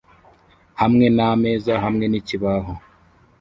hamwe nameza hamwe n'ikibaho